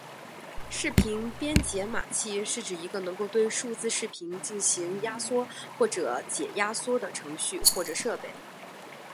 视频编解码器是指一个能够对数字视频进行压缩或者解压缩的程序或者设备。